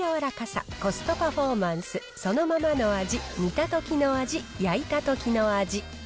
身の柔らかさ、コストパフォーマンス、そのままの味、煮たときの味、焼いたときの味。